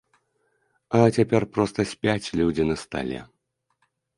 А цяпер проста спяць людзі на стале.